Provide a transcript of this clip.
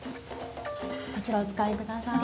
こちらお使い下さい。